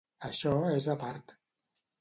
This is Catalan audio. Això és a part.